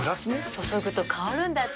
注ぐと香るんだって。